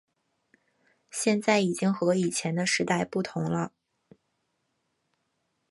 现在已经和以前的时代不同了